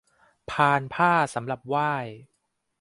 พานผ้าสำหรับไหว้